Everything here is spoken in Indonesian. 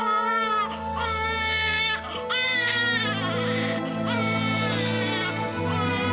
aku mau bicara sama kamu